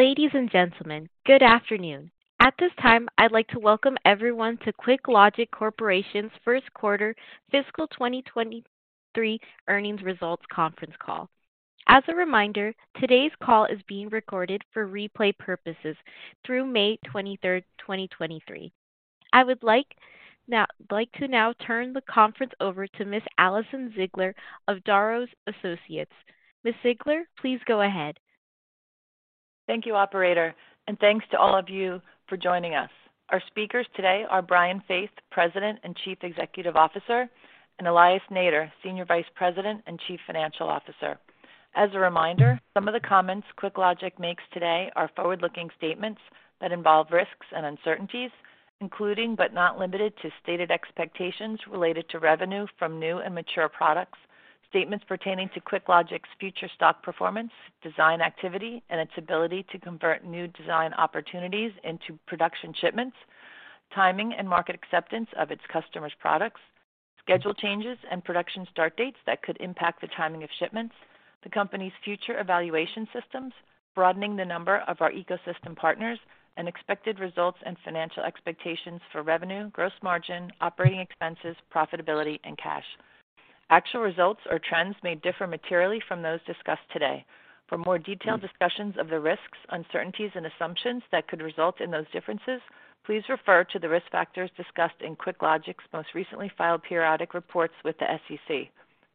Ladies and gentlemen, good afternoon. At this time, I'd like to welcome everyone to QuickLogic Corporation's first quarter fiscal 2023 earnings results conference call. As a reminder, today's call is being recorded for replay purposes through May 23rd, 2023. I would like to now turn the conference over to Ms. Alison Ziegler of Darrow Associates. Ms. Ziegler, please go ahead. Thank you, operator. Thanks to all of you for joining us. Our speakers today are Brian Faith, President and Chief Executive Officer, and Elias Nader, Senior Vice President and Chief Financial Officer. As a reminder, some of the comments QuickLogic makes today are forward-looking statements that involve risks and uncertainties, including, but not limited to stated expectations related to revenue from new and mature products, statements pertaining to QuickLogic's future stock performance, design activity, and its ability to convert new design opportunities into production shipments, timing and market acceptance of its customers' products, schedule changes and production start dates that could impact the timing of shipments, the company's future evaluation systems, broadening the number of our ecosystem partners, and expected results and financial expectations for revenue, gross margin, operating expenses, profitability, and cash. Actual results or trends may differ materially from those discussed today. For more detailed discussions of the risks, uncertainties, and assumptions that could result in those differences, please refer to the risk factors discussed in QuickLogic's most recently filed periodic reports with the SEC.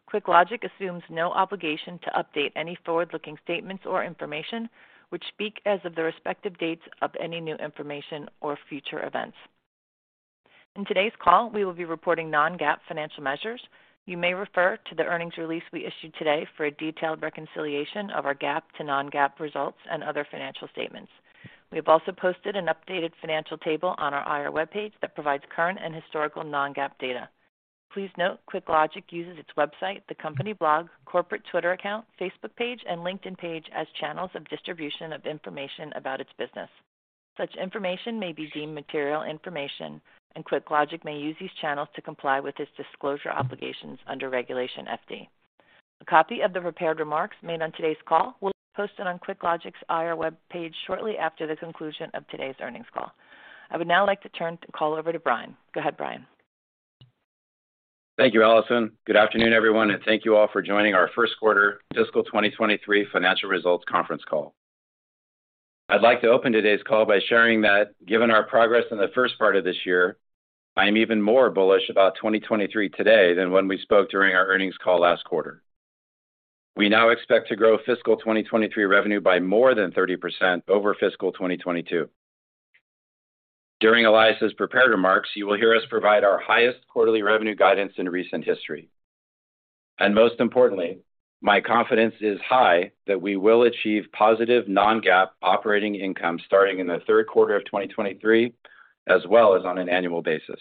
QuickLogic assumes no obligation to update any forward-looking statements or information, which speak as of the respective dates of any new information or future events. In today's call, we will be reporting non-GAAP financial measures. You may refer to the earnings release we issued today for a detailed reconciliation of our GAAP to non-GAAP results and other financial statements. We have also posted an updated financial table on our IR webpage that provides current and historical non-GAAP data. Please note, QuickLogic uses its website, the company blog, corporate Twitter account, Facebook page, and LinkedIn page as channels of distribution of information about its business. Such information may be deemed material information. QuickLogic may use these channels to comply with its disclosure obligations under Regulation FD. A copy of the prepared remarks made on today's call will be posted on QuickLogic's IR webpage shortly after the conclusion of today's earnings call. I would now like to turn the call over to Brian. Go ahead, Brian. Thank you, Allison. Good afternoon, everyone, and thank you all for joining our first quarter fiscal 2023 financial results conference call. I'd like to open today's call by sharing that given our progress in the first part of this year, I am even more bullish about 2023 today than when we spoke during our earnings call last quarter. We now expect to grow fiscal 2023 revenue by more than 30% over fiscal 2022. During Elias' prepared remarks, you will hear us provide our highest quarterly revenue guidance in recent history. Most importantly, my confidence is high that we will achieve positive non-GAAP operating income starting in the third quarter of 2023, as well as on an annual basis.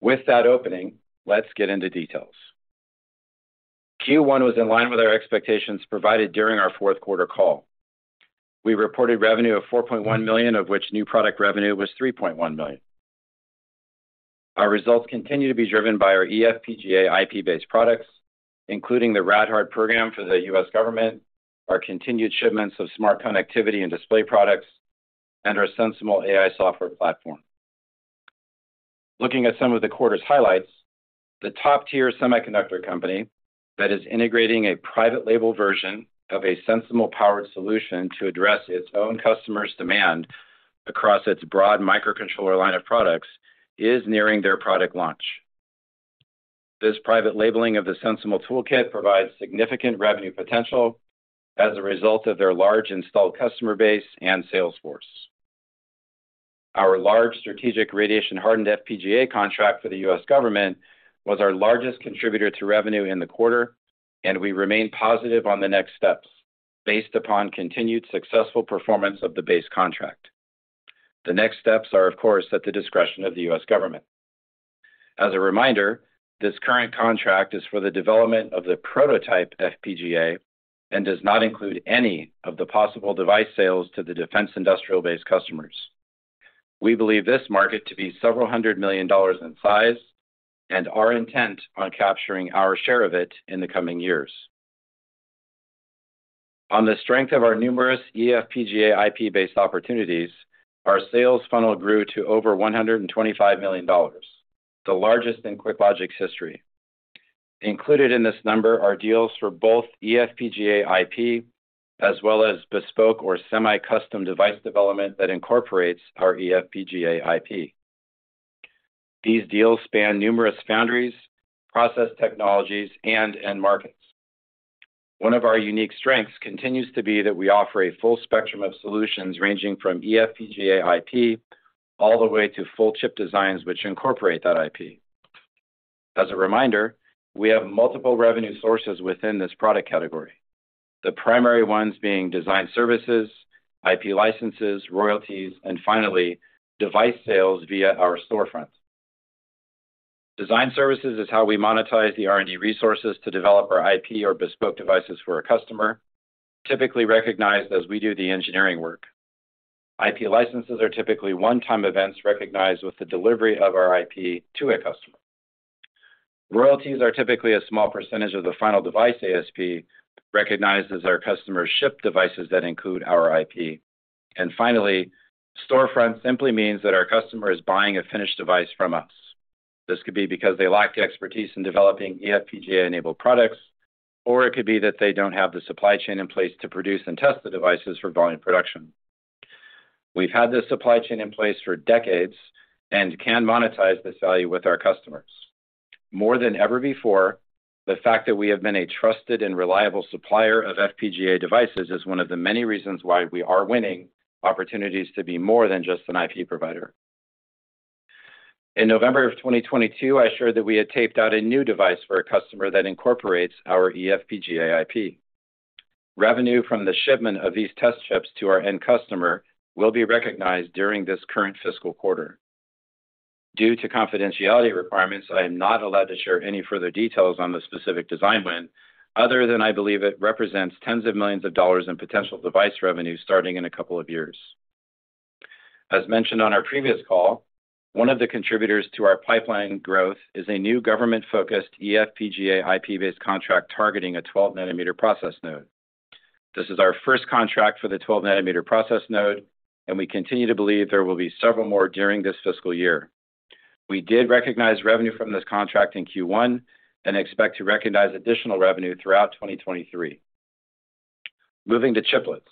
With that opening, let's get into details. Q1 was in line with our expectations provided during our fourth quarter call. We reported revenue of $4.1 million, of which new product revenue was $3.1 million. Our results continue to be driven by our eFPGA IP-based products, including the Rad-Hard program for the U.S. government, our continued shipments of smart connectivity and display products, and our SensiML AI software platform. Looking at some of the quarter's highlights, the top-tier semiconductor company that is integrating a private label version of a SensiML-powered solution to address its own customers' demand across its broad microcontroller line of products is nearing their product launch. This private labeling of the SensiML toolkit provides significant revenue potential as a result of their large installed customer base and sales force. Our large strategic radiation-hardened FPGA contract for the U.S. government was our largest contributor to revenue in the quarter, and we remain positive on the next steps based upon continued successful performance of the base contract. The next steps are, of course, at the discretion of the U.S. government. As a reminder, this current contract is for the development of the prototype FPGA and does not include any of the possible device sales to the defense industrial-based customers. We believe this market to be several hundred million dollars in size and are intent on capturing our share of it in the coming years. On the strength of our numerous eFPGA IP-based opportunities, our sales funnel grew to over $125 million, the largest in QuickLogic's history. Included in this number are deals for both eFPGA IP as well as bespoke or semi-custom device development that incorporates our eFPGA IP. These deals span numerous foundries, process technologies, and end markets. One of our unique strengths continues to be that we offer a full spectrum of solutions ranging from eFPGA IP all the way to full chip designs which incorporate that IP. As a reminder, we have multiple revenue sources within this product category. The primary ones being design services, IP licenses, royalties, and finally, device sales via our storefronts. Design services is how we monetize the R&D resources to develop our IP or bespoke devices for a customer, typically recognized as we do the engineering work. IP licenses are typically one-time events recognized with the delivery of our IP to a customer. Royalties are typically a small percentage of the final device ASP recognized as our customers ship devices that include our IP. Finally, storefront simply means that our customer is buying a finished device from us. This could be because they lack the expertise in developing eFPGA enabled products, or it could be that they don't have the supply chain in place to produce and test the devices for volume production. We've had this supply chain in place for decades and can monetize this value with our customers. More than ever before, the fact that we have been a trusted and reliable supplier of FPGA devices is one of the many reasons why we are winning opportunities to be more than just an IP provider. In November of 2022, I shared that we had taped out a new device for a customer that incorporates our eFPGA IP. Revenue from the shipment of these test chips to our end customer will be recognized during this current fiscal quarter. Due to confidentiality requirements, I am not allowed to share any further details on the specific design win, other than I believe it represents tens of millions of dollars in potential device revenue starting in a couple of years. As mentioned on our previous call, one of the contributors to our pipeline growth is a new government-focused eFPGA IP-based contract targeting a 12 nm process node. This is our first contract for the 12 nm process node, and we continue to believe there will be several more during this fiscal year. We did recognize revenue from this contract in Q1 and expect to recognize additional revenue throughout 2023. Moving to chiplets.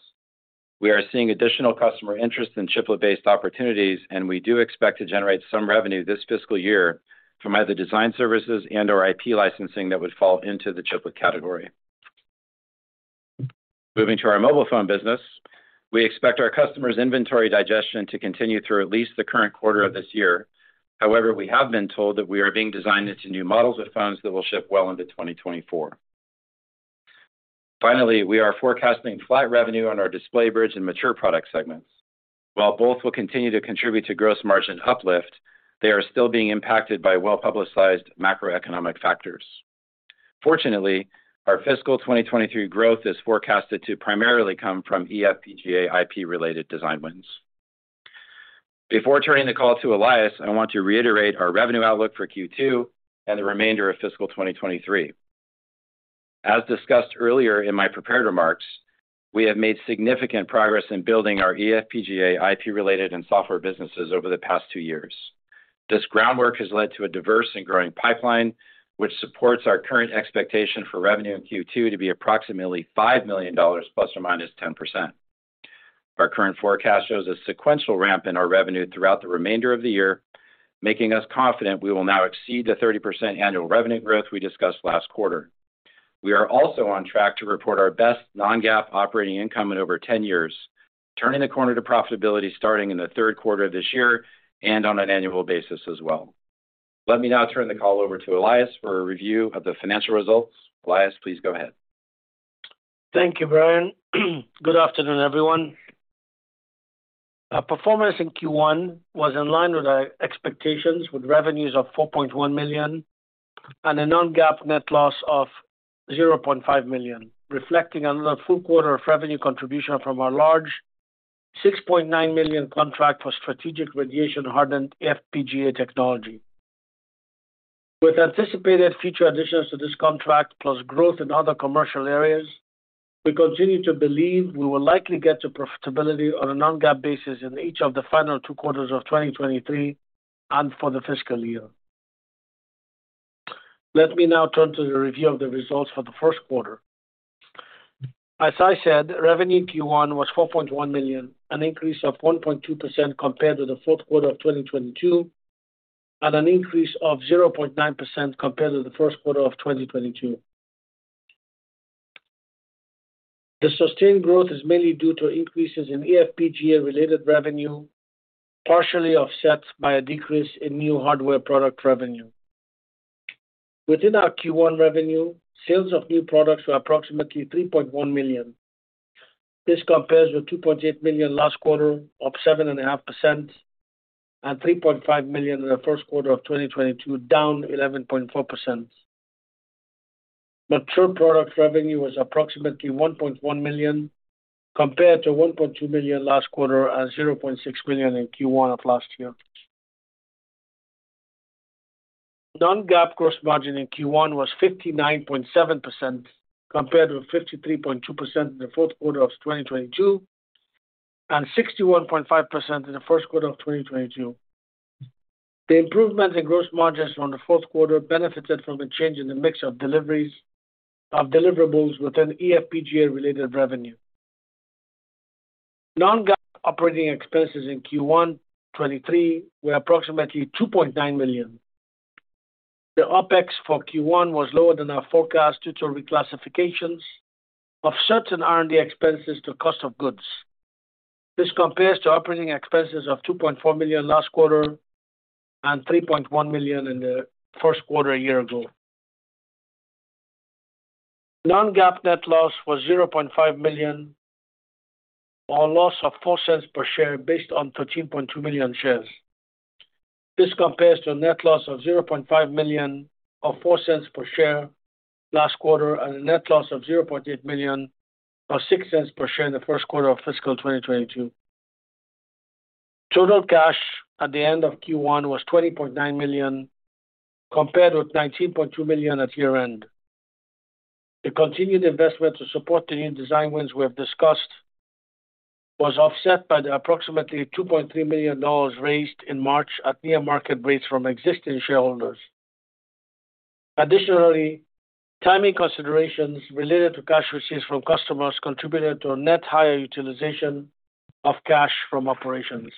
We are seeing additional customer interest in chiplet-based opportunities, and we do expect to generate some revenue this fiscal year from either design services and/or IP licensing that would fall into the chiplet category. Moving to our mobile phone business. We expect our customers' inventory digestion to continue through at least the current quarter of this year. However, we have been told that we are being designed into new models of phones that will ship well into 2024. Finally, we are forecasting flat revenue on our display bridge and mature product segments. While both will continue to contribute to gross margin uplift, they are still being impacted by well-publicized macroeconomic factors. Fortunately, our fiscal 2023 growth is forecasted to primarily come from eFPGA IP related design wins. Before turning the call to Elias, I want to reiterate our revenue outlook for Q2 and the remainder of fiscal 2023. As discussed earlier in my prepared remarks, we have made significant progress in building our eFPGA IP related and software businesses over the past two years. This groundwork has led to a diverse and growing pipeline, which supports our current expectation for revenue in Q2 to be approximately $5 million ±10%. Our current forecast shows a sequential ramp in our revenue throughout the remainder of the year, making us confident we will now exceed the 30% annual revenue growth we discussed last quarter. We are also on track to report our best non-GAAP operating income in over 10 years, turning the corner to profitability starting in the third quarter of this year and on an annual basis as well. Let me now turn the call over to Elias for a review of the financial results. Elias, please go ahead. Thank you, Brian. Good afternoon, everyone. Our performance in Q1 was in line with our expectations with revenues of $4.1 million and a non-GAAP net loss of $0.5 million, reflecting another full quarter of revenue contribution from our large $6.9 million contract for strategic radiation hardened FPGA technology. With anticipated future additions to this contract plus growth in other commercial areas, we continue to believe we will likely get to profitability on a non-GAAP basis in each of the final two quarters of 2023 and for the fiscal year. Let me now turn to the review of the results for the first quarter. As I said, revenue in Q1 was $4.1 million, an increase of 1.2% compared to the fourth quarter of 2022, and an increase of 0.9% compared to the first quarter of 2022. The sustained growth is mainly due to increases in eFPGA related revenue, partially offset by a decrease in new hardware product revenue. Within our Q1 revenue, sales of new products were approximately $3.1 million. This compares with $2.8 million last quarter of 7.5% and $3.5 million in the first quarter of 2022, down 11.4%. Mature product revenue was approximately $1.1 million compared to $1.2 million last quarter and $0.6 million in Q1 of last year. Non-GAAP gross margin in Q1 was 59.7% compared with 53.2% in the fourth quarter of 2022 and 61.5% in the first quarter of 2022. The improvement in gross margins from the fourth quarter benefited from a change in the mix of deliverables within eFPGA related revenue. Non-GAAP operating expenses in Q1 2023 were approximately $2.9 million. The OpEx for Q1 was lower than our forecast due to reclassifications of certain R&D expenses to cost of goods. This compares to operating expenses of $2.4 million last quarter and $3.1 million in the first quarter a year ago. Non-GAAP net loss was $0.5 million or a loss of $0.04 per share based on 13.2 million shares. This compares to a net loss of $0.5 million or $0.04 per share last quarter and a net loss of $0.8 million or $0.06 per share in the first quarter of fiscal 2022. Total cash at the end of Q1 was $20.9 million, compared with $19.2 million at year-end. The continued investment to support the new design wins we have discussed was offset by the approximately $2.3 million raised in March at near market rates from existing shareholders. Additionally, timing considerations related to cash receipts from customers contributed to a net higher utilization of cash from operations.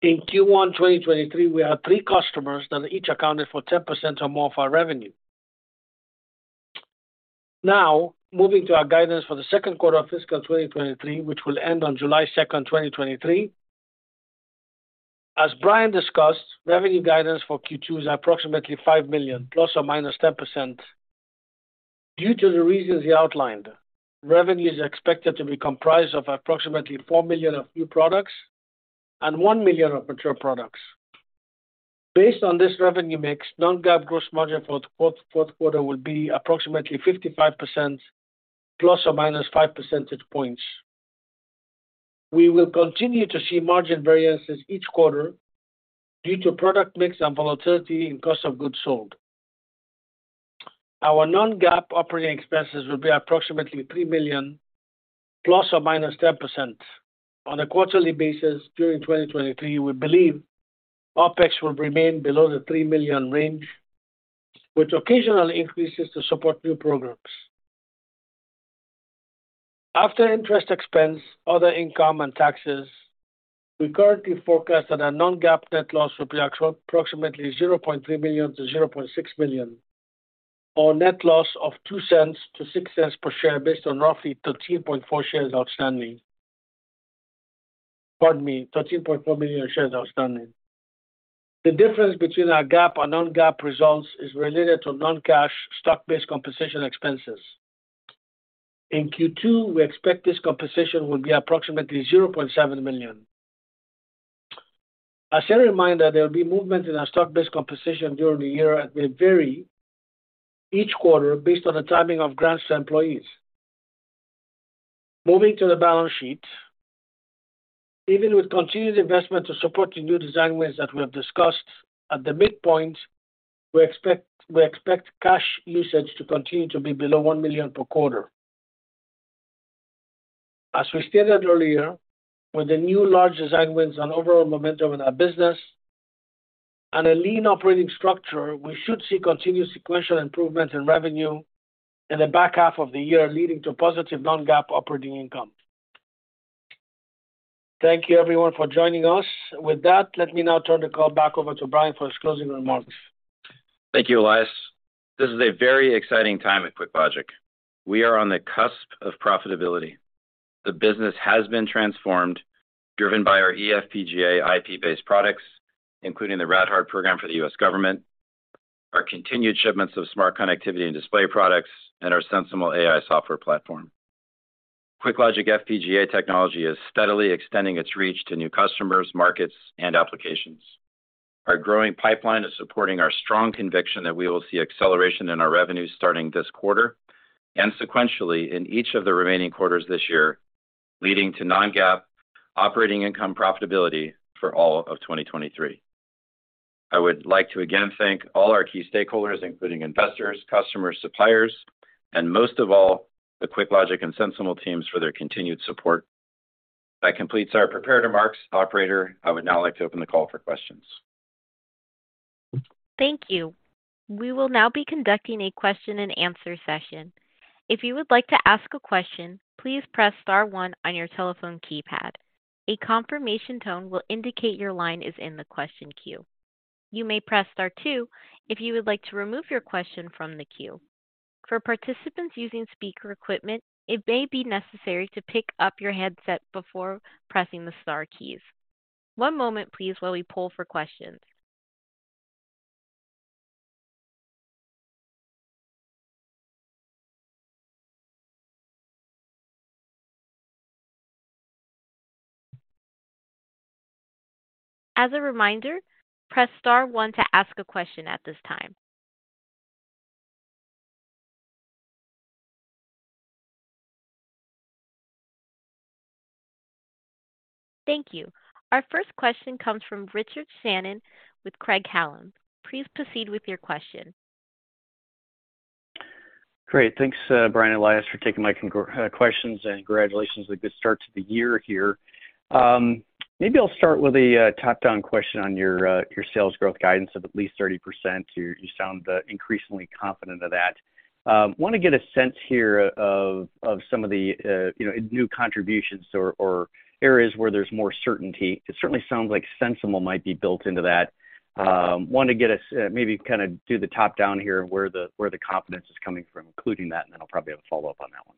In Q1 2023, we had three customers that each accounted for 10% or more of our revenue. Now, moving to our guidance for the second quarter of fiscal 2023, which will end on July second, 2023. As Brian discussed, revenue guidance for Q2 is approximately $5 million, ±10%. Due to the reasons he outlined, revenue is expected to be comprised of approximately $4 million of new products and $1 million of mature products. Based on this revenue mix, non-GAAP gross margin for the quarter, fourth quarter will be approximately 55% ±5 percentage points. We will continue to see margin variances each quarter due to product mix and volatility in cost of goods sold. Our non-GAAP operating expenses will be approximately $3 million ±10%. On a quarterly basis during 2023, we believe OpEx will remain below the $3 million range, with occasional increases to support new programs. After interest expense, other income and taxes, we currently forecast that our non-GAAP net loss will be approximately $0.3 million-$0.6 million, or net loss of $0.02-$0.06 per share based on roughly 13.4 shares outstanding. Pardon me, 13.4 million shares outstanding. The difference between our GAAP and non-GAAP results is related to non-cash stock-based compensation expenses. In Q2, we expect this compensation will be approximately $0.7 million. As a reminder, there will be movement in our stock-based compensation during the year and may vary each quarter based on the timing of grants to employees. Moving to the balance sheet. Even with continued investment to support the new design wins that we have discussed, at the midpoint, we expect cash usage to continue to be below $1 million per quarter. As we stated earlier, with the new large design wins and overall momentum in our business and a lean operating structure, we should see continued sequential improvement in revenue in the back half of the year, leading to positive non-GAAP operating income. Thank you everyone for joining us. With that, let me now turn the call back over to Brian for his closing remarks. Thank you, Elias. This is a very exciting time at QuickLogic. We are on the cusp of profitability. The business has been transformed, driven by our eFPGA IP-based products, including the Rad-Hard program for the U.S. government, our continued shipments of smart connectivity and display products, and our SensiML AI software platform. QuickLogic FPGA technology is steadily extending its reach to new customers, markets and applications. Our growing pipeline is supporting our strong conviction that we will see acceleration in our revenue starting this quarter and sequentially in each of the remaining quarters this year, leading to non-GAAP operating income profitability for all of 2023. I would like to again thank all our key stakeholders, including investors, customers, suppliers and most of all, the QuickLogic and SensiML teams for their continued support. That completes our prepared remarks. Operator, I would now like to open the call for questions. Thank you. We will now be conducting a question-and-answer session. If you would like to ask a question, please press star one on your telephone keypad. A confirmation tone will indicate your line is in the question queue. You may press star two if you would like to remove your question from the queue. For participants using speaker equipment, it may be necessary to pick up your headset before pressing the star keys. One moment please while we poll for questions. As a reminder, press star one to ask a question at this time. Thank you. Our first question comes from Richard Shannon with Craig-Hallum. Please proceed with your question. Great. Thanks, Brian and Elias for taking my questions and congratulations on a good start to the year here. Maybe I'll start with a top-down question on your sales growth guidance of at least 30%. You sound increasingly confident of that. Wanna get a sense here of some of the, you know, new contributions or areas where there's more certainty. It certainly sounds like SensiML might be built into that. Wanna get a sense maybe kinda do the top down here where the confidence is coming from, including that, and then I'll probably have a follow-up on that one.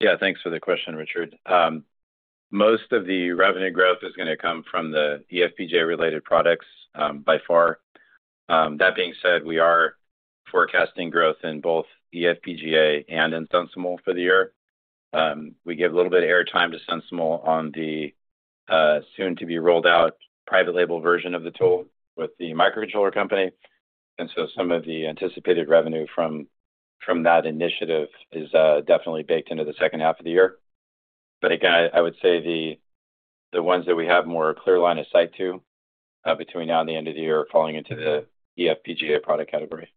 Yeah, thanks for the question, Richard. Most of the revenue growth is gonna come from the eFPGA-related products, by far. That being said, we are forecasting growth in both eFPGA and in SensiML for the year. We give a little bit of airtime to SensiML on the soon to be rolled out private label version of the tool with the microcontroller company. Some of the anticipated revenue from that initiative is definitely baked into the second half of the year. Again, I would say the ones that we have more clear line of sight to between now and the end of the year are falling into the eFPGA product category.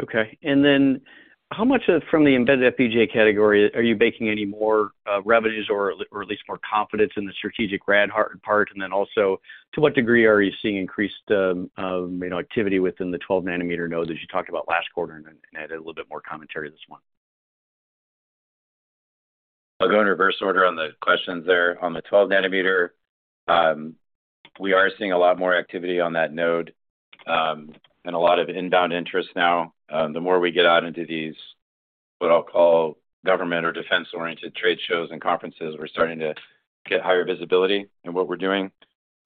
Okay. How much of from the embedded FPGA category are you baking any more revenues or at least more confidence in the strategic Rad-Hard part? Also, to what degree are you seeing increased, you know, activity within the 12 nm node as you talked about last quarter and added a little bit more commentary this one? I'll go in reverse order on the questions there. On the 12 nm, we are seeing a lot more activity on that node, and a lot of inbound interest now. The more we get out into these, what I'll call government or defense-oriented trade shows and conferences, we're starting to get higher visibility in what we're doing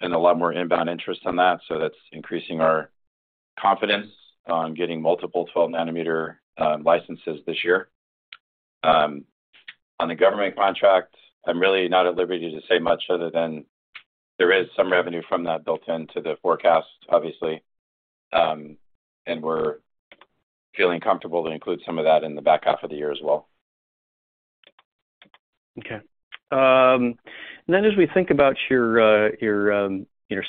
and a lot more inbound interest on that. That's increasing our confidence on getting multiple 12 nm licenses this year. On the government contract, I'm really not at liberty to say much other than there is some revenue from that built into the forecast, obviously, and we're feeling comfortable to include some of that in the back half of the year as well. As we think about your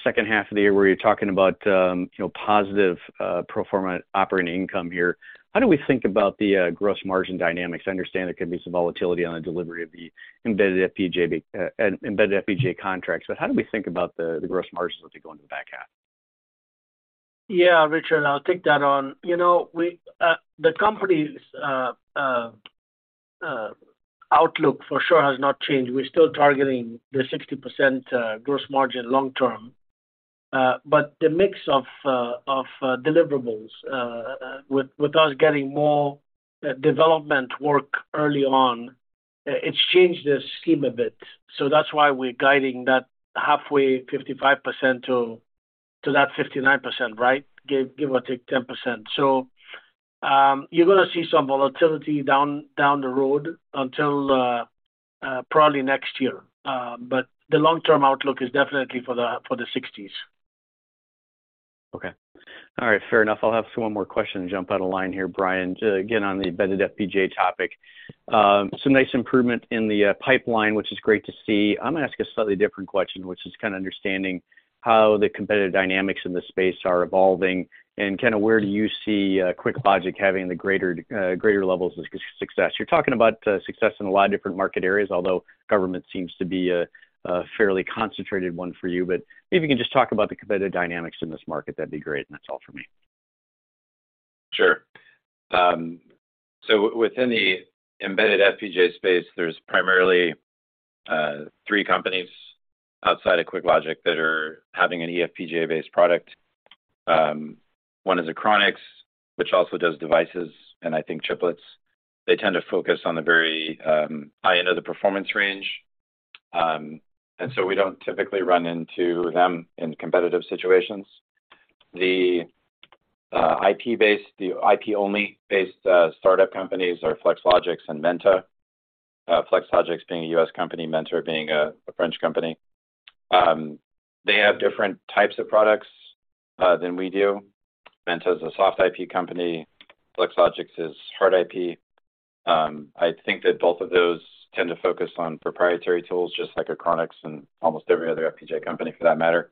second half of the year, where you're talking about, you know, positive pro forma operating income here, how do we think about the gross margin dynamics? I understand there could be some volatility on the delivery of the Embedded FPGA contracts, but how do we think about the gross margins as we go into the back half? Yeah, Richard, I'll take that on. You know, we, the company's outlook for sure has not changed. We're still targeting the 60% gross margin long term. The mix of deliverables, with us getting more development work early on, it's changed the scheme a bit. That's why we're guiding that halfway 55% to that 59%, right? Give or take 10%. You're gonna see some volatility down the road until probably next year. The long-term outlook is definitely for the sixties. Okay. All right. Fair enough. I'll have one more question to jump out of line here, Brian, to get on the embedded FPGA topic. Some nice improvement in the pipeline, which is great to see. I'm gonna ask a slightly different question, which is kind of understanding how the competitive dynamics in this space are evolving and kind of where do you see QuickLogic having the greater levels of success. You're talking about success in a lot of different market areas, although government seems to be a fairly concentrated one for you. Maybe you can just talk about the competitive dynamics in this market. That'd be great. That's all for me. Sure. Within the embedded FPGA space, there's primarily three companies outside of QuickLogic that are having an eFPGA-based product. One is Achronix, which also does devices and I think chiplets. They tend to focus on the very high end of the performance range, and we don't typically run into them in competitive situations. The IP-based, the IP-only based startup companies are Flex Logix and Menta. Flex Logix being a U.S. company, Menta being a French company. They have different types of products than we do. Menta is a soft IP company. Flex Logix is hard IP. I think that both of those tend to focus on proprietary tools, just like Achronix and almost every other FPGA company for that matter.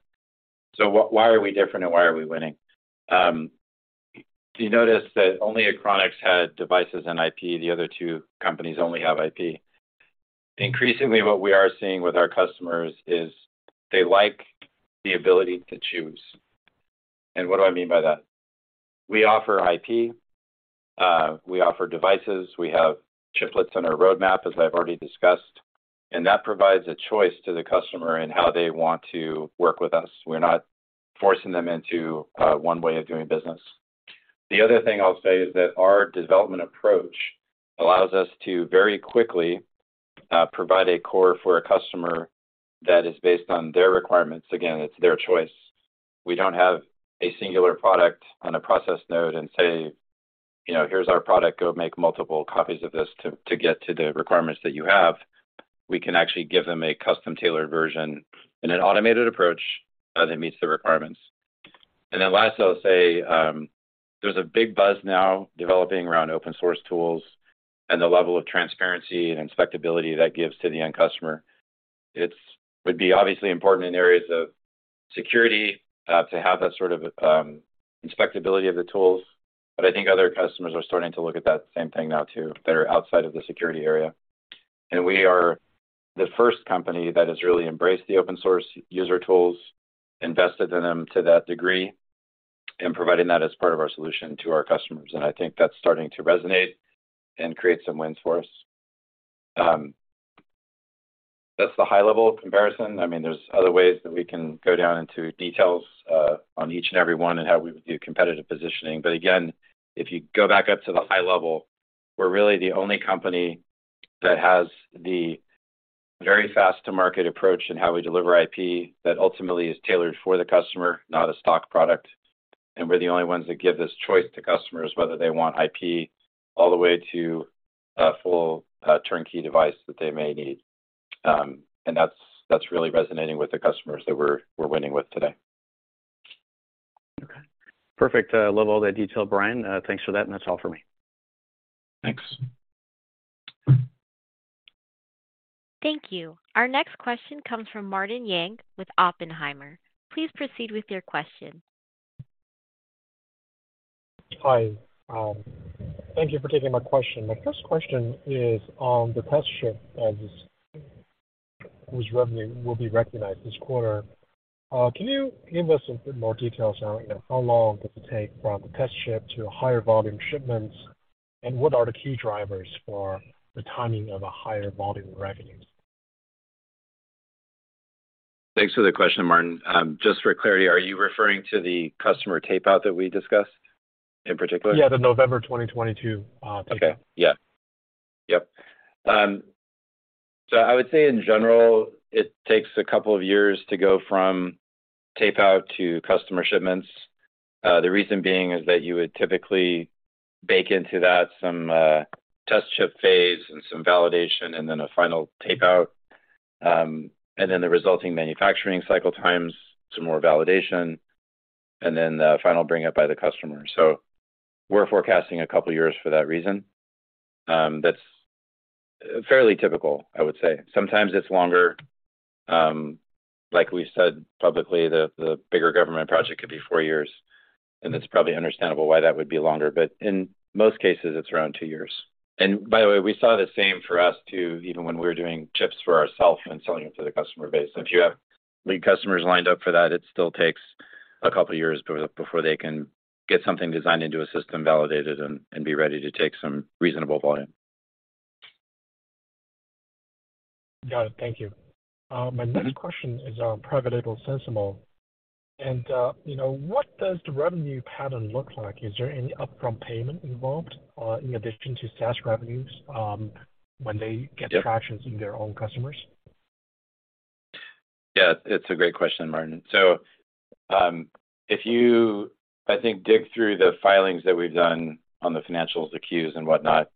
Why are we different and why are we winning? You notice that only Achronix had devices and IP. The other two companies only have IP. Increasingly, what we are seeing with our customers is they like the ability to choose. What do I mean by that? We offer IP, we offer devices, we have chiplets on our roadmap, as I've already discussed, and that provides a choice to the customer in how they want to work with us. We're not forcing them into one way of doing business. The other thing I'll say is that our development approach allows us to very quickly provide a core for a customer that is based on their requirements. Again, it's their choice. We don't have a singular product on a process node and say, you know, "Here's our product. Go make multiple copies of this to get to the requirements that you have." We can actually give them a custom-tailored version in an automated approach, that meets the requirements. Last, I'll say, there's a big buzz now developing around open source tools and the level of transparency and inspectability that gives to the end customer. It's would be obviously important in areas of security, to have that sort of, inspectability of the tools, but I think other customers are starting to look at that same thing now too that are outside of the security area. We are the first company that has really embraced the open source user tools, invested in them to that degree, and providing that as part of our solution to our customers. I think that's starting to resonate and create some wins for us. That's the high level comparison. I mean, there's other ways that we can go down into details on each and every one and how we would do competitive positioning. Again, if you go back up to the high level, we're really the only company that has the very fast to market approach in how we deliver IP that ultimately is tailored for the customer, not a stock product. We're the only ones that give this choice to customers, whether they want IP all the way to a full turnkey device that they may need. That's really resonating with the customers that we're winning with today. Okay. Perfect. Love all that detail, Brian. Thanks for that. That's all for me. Thanks. Thank you. Our next question comes from Martin Yang with Oppenheimer. Please proceed with your question. Hi. Thank you for taking my question. My first question is on the test chip as whose revenue will be recognized this quarter. Can you give us a bit more details on, you know, how long does it take from the test chip to higher volume shipments, and what are the key drivers for the timing of a higher volume revenue? Thanks for the question, Martin. Just for clarity, are you referring to the customer tape out that we discussed in particular? Yeah, the November 2022, tape out. Okay. Yeah. Yep. I would say in general, it takes a couple of years to go from tape out to customer shipments. The reason being is that you would typically bake into that some test ship phase and some validation and then a final tape out, and then the resulting manufacturing cycle times, some more validation, and then the final bring it up by the customer. We're forecasting a couple of years for that reason. That's fairly typical, I would say. Sometimes it's longer. Like we said publicly, the bigger government project could be four years, and it's probably understandable why that would be longer, but in most cases it's around two years. By the way, we saw the same for us too, even when we were doing chips for ourselves and selling them to the customer base. If you have lead customers lined up for that, it still takes a couple of years before they can get something designed into a system, validated and be ready to take some reasonable volume. Got it. Thank you. My next question is on private label SensiML. You know, what does the revenue pattern look like? Is there any upfront payment involved, in addition to SaaS revenues? Yeah. get traction in their own customers? Yeah, it's a great question, Martin. If you, I think, dig through the filings that we've done on the financials, the Qs and whatnot,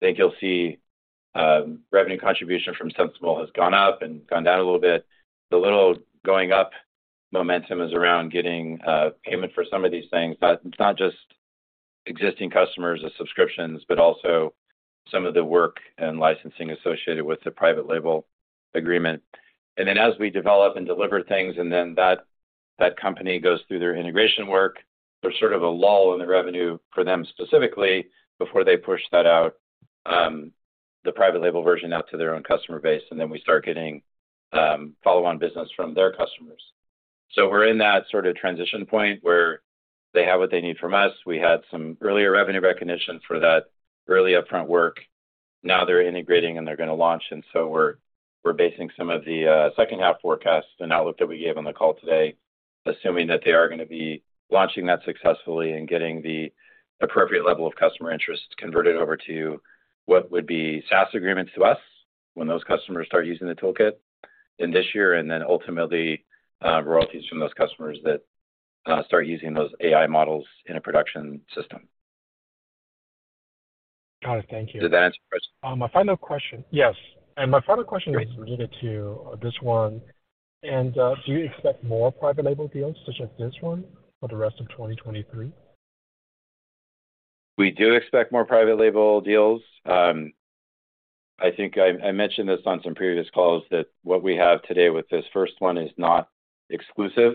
I think you'll see revenue contribution from SensiML has gone up and gone down a little bit. The little going up momentum is around getting payment for some of these things, but it's not just existing customers or subscriptions, but also some of the work and licensing associated with the private label agreement. As we develop and deliver things, and then that company goes through their integration work, there's sort of a lull in the revenue for them specifically before they push that out, the private label version out to their own customer base, and then we start getting follow on business from their customers. We're in that sort of transition point where they have what they need from us. We had some earlier revenue recognition for that early upfront work. Now they're integrating, and they're gonna launch. We're basing some of the second half forecast, the outlook that we gave on the call today, assuming that they are gonna be launching that successfully and getting the appropriate level of customer interest converted over to what would be SaaS agreements to us when those customers start using the toolkit in this year and then ultimately, royalties from those customers that start using those AI models in a production system. All right. Thank you. Did that answer your question? My final question, yes. Great. Is related to this one. Do you expect more private label deals such as this one for the rest of 2023? We do expect more private label deals. I think I mentioned this on some previous calls that what we have today with this first one is not exclusive.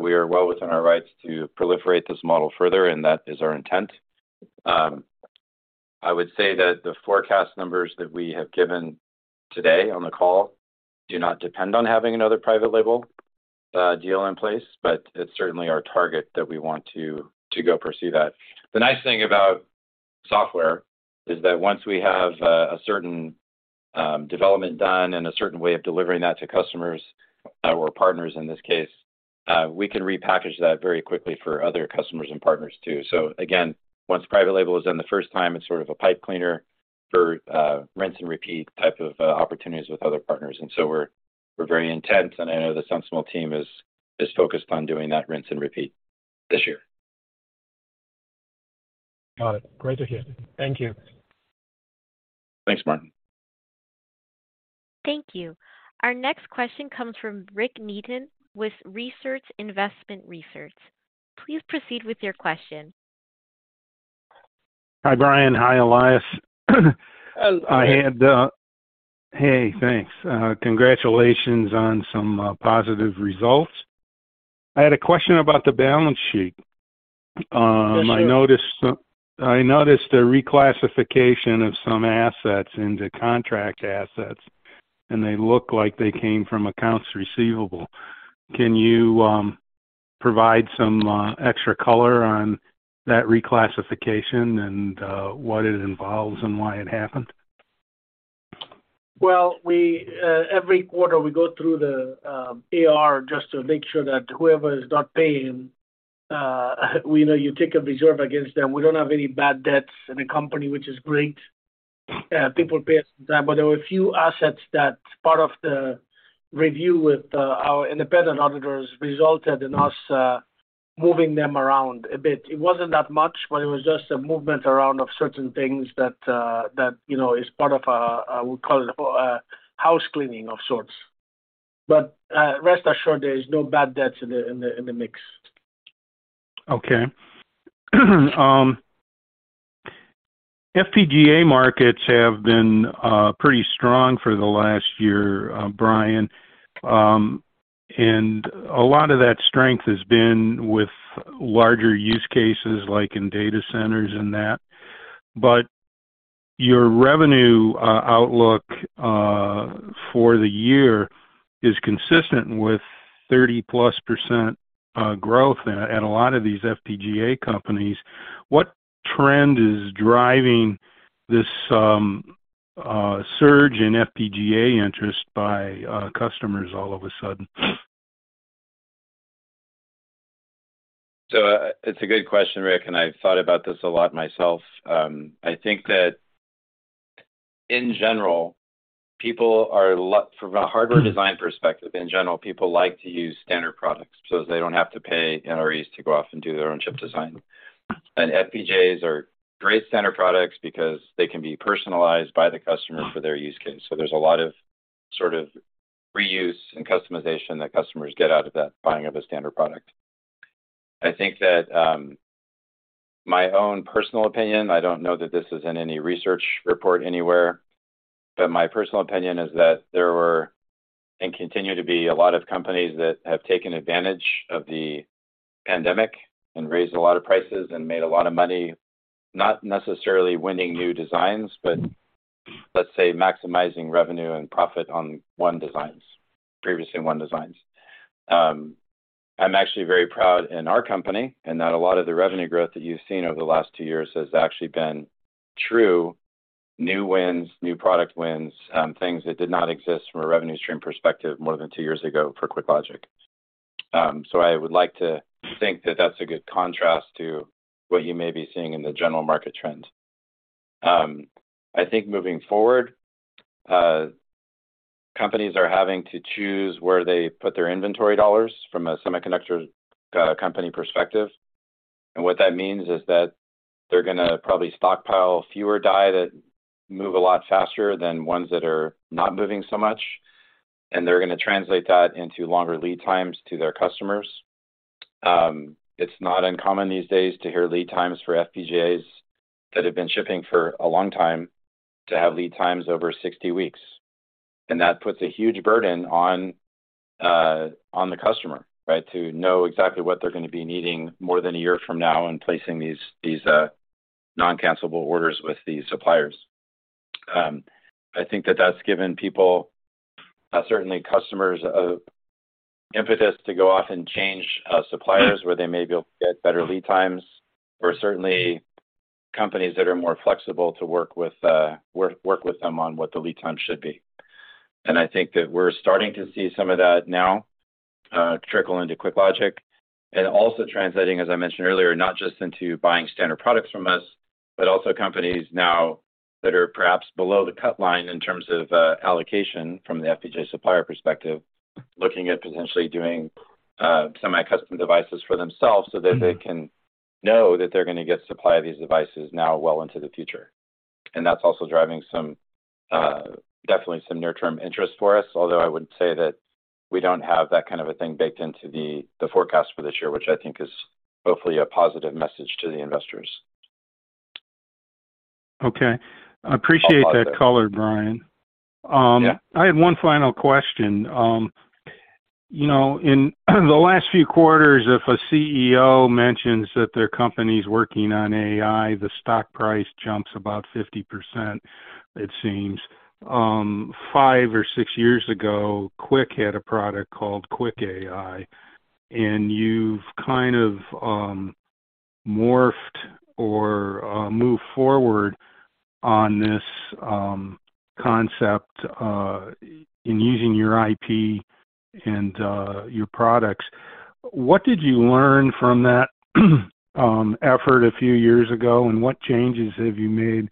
We are well within our rights to proliferate this model further, and that is our intent. I would say that the forecast numbers that we have given today on the call do not depend on having another private label deal in place, but it's certainly our target that we want to go pursue that. The nice thing about software is that once we have a certain development done and a certain way of delivering that to customers or partners in this case, we can repackage that very quickly for other customers and partners too. Again, once private label is done the first time, it's sort of a pipe cleaner for rinse and repeat type of opportunities with other partners. We're very intense, and I know the SensiML team is focused on doing that rinse and repeat this year. Got it. Great to hear. Thank you. Thanks, Martin. Thank you. Our next question comes from Rick Neaton with Rivershore Investment Research. Please proceed with your question. Hi, Brian. Hi, Elias. Hello. Hey, thanks. Congratulations on some positive results. I had a question about the balance sheet. For sure. I noticed a reclassification of some assets into contract assets, and they look like they came from accounts receivable. Can you provide some extra color on that reclassification and what it involves and why it happened? We every quarter, we go through the AR just to make sure that whoever is not paying, we know you take a reserve against them. We don't have any bad debts in the company, which is great. People pay us in time. There were a few assets that part of the review with our independent auditors resulted in us moving them around a bit. It wasn't that much, but it was just a movement around of certain things that, you know, is part of a, we call it a housecleaning of sorts. Rest assured there is no bad debts in the mix. Okay. FPGA markets have been pretty strong for the last year, Brian. A lot of that strength has been with larger use cases like in data centers and that. Your revenue outlook for the year is consistent with 30%+ growth at a lot of these FPGA companies. What trend is driving this surge in FPGA interest by customers all of a sudden? It's a good question, Rick, and I've thought about this a lot myself. I think that in general, people From a hardware design perspective, in general, people like to use standard products so they don't have to pay NREs to go off and do their own chip design. FPGAs are great standard products because they can be personalized by the customer for their use case. There's a lot of sort of reuse and customization that customers get out of that buying of a standard product. I think that, my own personal opinion, I don't know that this is in any research report anywhere, but my personal opinion is that there were and continue to be a lot of companies that have taken advantage of the pandemic and raised a lot of prices and made a lot of money, not necessarily winning new designs, but let's say maximizing revenue and profit on won designs, previously won designs. I'm actually very proud in our company and that a lot of the revenue growth that you've seen over the last two years has actually been true new wins, new product wins, things that did not exist from a revenue stream perspective more than two years ago for QuickLogic. I would like to think that that's a good contrast to what you may be seeing in the general market trend. I think moving forward, companies are having to choose where they put their inventory dollars from a semiconductor company perspective. What that means is that they're gonna probably stockpile fewer die that move a lot faster than ones that are not moving so much, and they're gonna translate that into longer lead times to their customers. It's not uncommon these days to hear lead times for FPGAs that have been shipping for a long time to have lead times over 60 weeks, and that puts a huge burden on the customer, right, to know exactly what they're gonna be needing more than 1 year from now in placing these non-cancelable orders with the suppliers. I think that that's given people, certainly customers, a impetus to go off and change suppliers where they may be able to get better lead times or certainly companies that are more flexible to work with them on what the lead time should be. I think that we're starting to see some of that now trickle into QuickLogic, and also translating, as I mentioned earlier, not just into buying standard products from us, but also companies now that are perhaps below the cut line in terms of allocation from the FPGA supplier perspective, looking at potentially doing semi-custom devices for themselves so that they can know that they're gonna get supply of these devices now well into the future. That's also driving some, definitely some near-term interest for us, although I would say that we don't have that kind of a thing baked into the forecast for this year, which I think is hopefully a positive message to the investors. Okay. I'll pause there. Appreciate that color, Brian. Yeah. I have one final question. You know, in the last few quarters, if a CEO mentions that their company's working on AI, the stock price jumps about 50%, it seems. Five or six years ago, QuickLogic had a product called QuickAI, and you've kind of, morphed or, moved forward on this concept, in using your IP and, your products. What did you learn from that effort a few years ago, and what changes have you made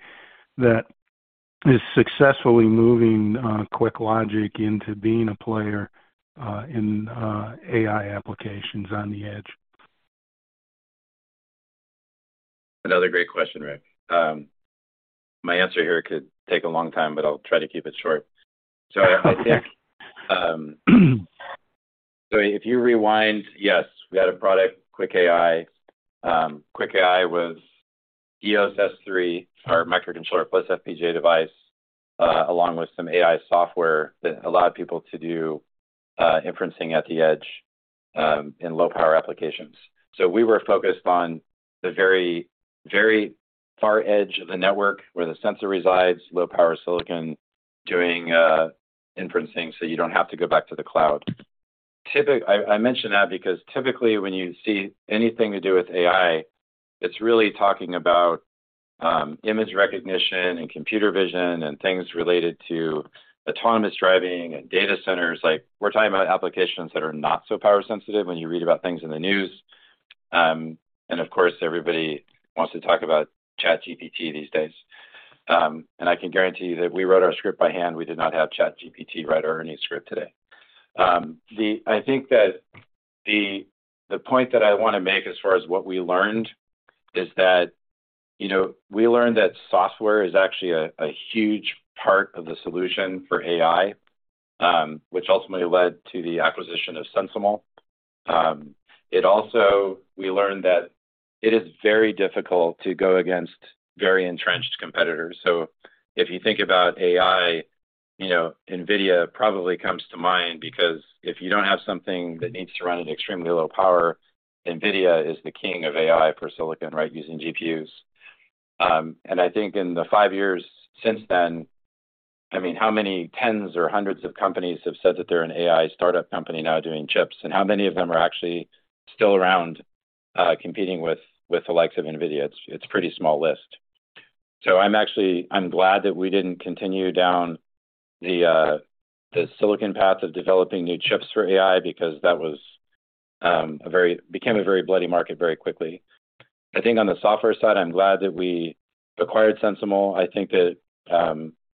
that is successfully moving QuickLogic into being a player, in AI applications on the edge? Another great question, Rick. My answer here could take a long time, but I'll try to keep it short. I think, if you rewind, yes, we had a product, QuickAI. QuickAI was EOS S3, our microcontroller plus FPGA device, along with some AI software that allowed people to do inferencing at the edge, in low power applications. We were focused on the very, very far edge of the network where the sensor resides, low power silicon doing inferencing, so you don't have to go back to the cloud. I mention that because typically when you see anything to do with AI, it's really talking about image recognition and computer vision and things related to autonomous driving and data centers. Like we're talking about applications that are not so power sensitive when you read about things in the news, Of course, everybody wants to talk about ChatGPT these days. I can guarantee you that we wrote our script by hand. We did not have ChatGPT write our new script today. I think that the point that I wanna make as far as what we learned is that, you know, we learned that software is actually a huge part of the solution for AI, which ultimately led to the acquisition of SensiML. It also, we learned that it is very difficult to go against very entrenched competitors. If you think about AI, you know, NVIDIA probably comes to mind because if you don't have something that needs to run at extremely low power, NVIDIA is the king of AI for silicon, right, using GPUs. I think in the five years since then, I mean, how many tens or hundreds of companies have said that they're an AI startup company now doing chips, and how many of them are actually still around, competing with the likes of NVIDIA? It's a pretty small list. I'm actually glad that we didn't continue down the silicon path of developing new chips for AI because that was became a very bloody market very quickly. On the software side, I'm glad that we acquired SensiML. I think that,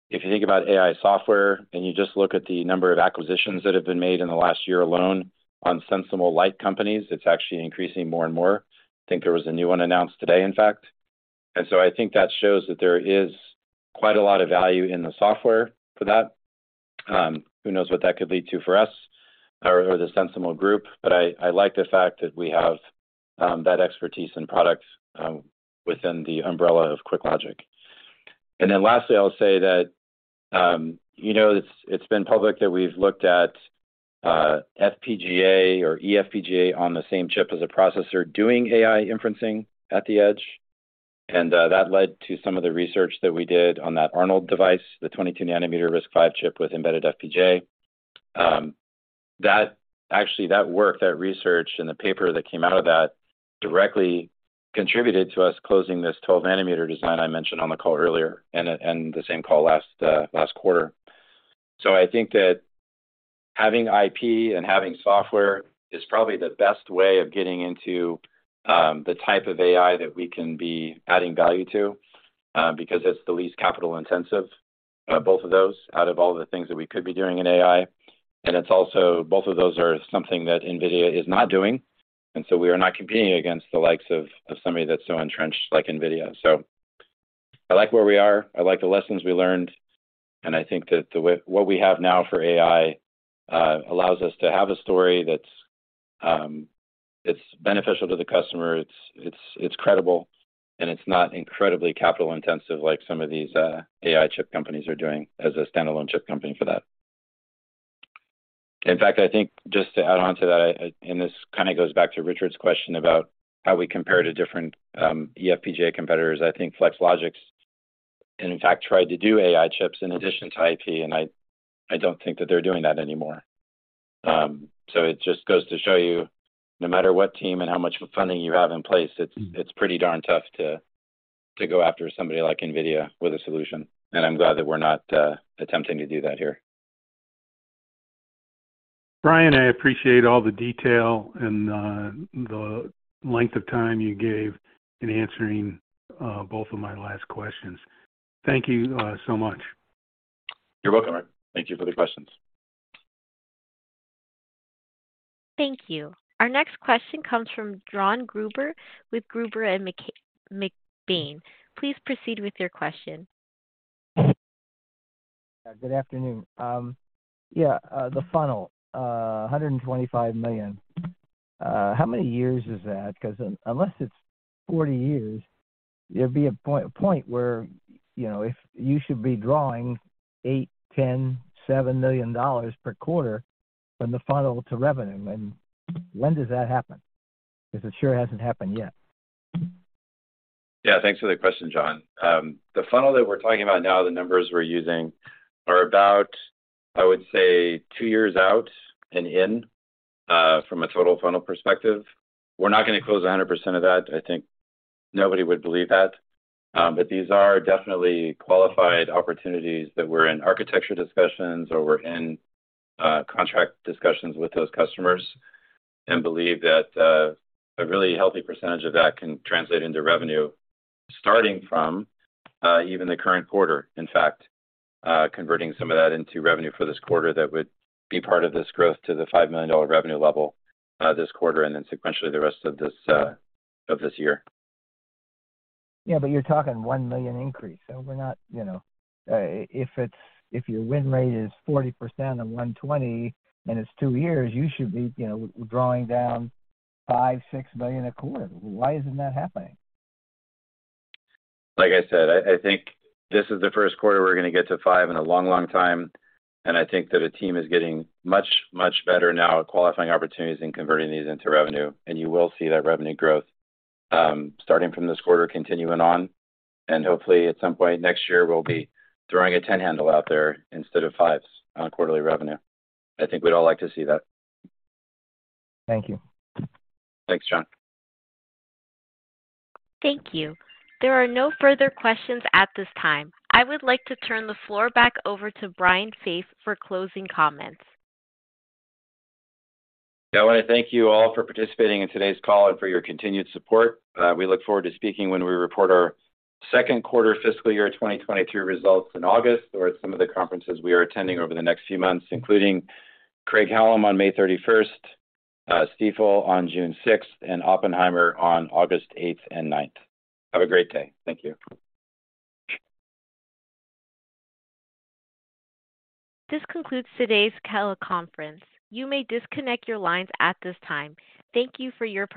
if you think about AI software and you just look at the number of acquisitions that have been made in the last year alone on SensiML-like companies, it's actually increasing more and more. I think there was a new one announced today, in fact. I think that shows that there is quite a lot of value in the software for that. Who knows what that could lead to for us or the SensiML group, but I like the fact that we have that expertise and products within the umbrella of QuickLogic. Lastly, I'll say that, you know, it's been public that we've looked at FPGA or eFPGA on the same chip as a processor doing AI inferencing at the edge, that led to some of the research that we did on that Arnold device, the 22 nm RISC-V chip with embedded FPGA. That work, that research and the paper that came out of that directly contributed to us closing this 12 nm design I mentioned on the call earlier and the same call last quarter. I think that having IP and having software is probably the best way of getting into the type of AI that we can be adding value to, because it's the least capital intensive, both of those out of all the things that we could be doing in AI. It's also both of those are something that NVIDIA is not doing, so we are not competing against the likes of somebody that's so entrenched like NVIDIA. I like where we are. I like the lessons we learned, and I think that what we have now for AI allows us to have a story that's beneficial to the customer, it's credible, and it's not incredibly capital intensive like some of these AI chip companies are doing as a standalone chip company for that. In fact, I think just to add on to that, and this kinda goes back to Richard's question about how we compare to different eFPGA competitors. I think Flex Logix in fact tried to do AI chips in addition to IP, and I don't think that they're doing that anymore. It just goes to show you no matter what team and how much funding you have in place, it's pretty darn tough to go after somebody like NVIDIA with a solution, and I'm glad that we're not attempting to do that here. Brian, I appreciate all the detail and the length of time you gave in answering both of my last questions. Thank you so much. You're welcome, Rick. Thank Thank you for the questions. Thank you. Our next question comes from Jon Gruber with Gruber & McBaine. Please proceed with your question. Yeah. Good afternoon. Yeah, the funnel, $125 million. How many years is that? 'Cause unless it's 40 years, there'd be a point where, you know, if you should be drawing $8 million, $10 million, $7 million per quarter from the funnel to revenue. When does that happen? 'Cause it sure hasn't happened yet. Yeah. Thanks for the question, Jon. The funnel that we're talking about now, the numbers we're using are about, I would say, two years out and in from a total funnel perspective. We're not gonna close 100% of that. I think nobody would believe that. These are definitely qualified opportunities that we're in architecture discussions or we're in contract discussions with those customers and believe that a really healthy percentage of that can translate into revenue starting from even the current quarter, in fact, converting some of that into revenue for this quarter that would be part of this growth to the $5 million revenue level this quarter, and then sequentially the rest of this year. Yeah. You're talking $1 million increase, so we're not, you know. If your win rate is 40% of $120 million and it's two years, you should be, you know, drawing down $5 million-$6 million a quarter. Why isn't that happening? Like I said, I think this is the first quarter we're gonna get to $5 million in a long, long time, and I think that the team is getting much, much better now at qualifying opportunities and converting these into revenue. You will see that revenue growth starting from this quarter continuing on, and hopefully at some point next year we'll be throwing a $10 million handle out there instead of $5 million on quarterly revenue. I think we'd all like to see that. Thank you. Thanks, Jon. Thank you. There are no further questions at this time. I would like to turn the floor back over to Brian Faith for closing comments. Yeah. I wanna thank you all for participating in today's call and for your continued support. We look forward to speaking when we report our second quarter fiscal year 2022 results in August or at some of the conferences we are attending over the next few months, including Craig-Hallum on May 31st, Stifel on June 6th, and Oppenheimer on August 8th and 9th. Have a great day. Thank you. This concludes today's teleconference. You may disconnect your lines at this time. Thank you for your participation.